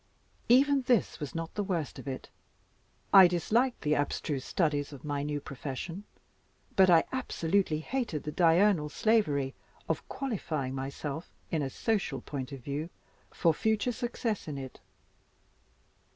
Even this was not the worst of it. I disliked the abstruse studies of my new profession; but I absolutely hated the diurnal slavery of qualifying myself, in a social point of view, for future success in it.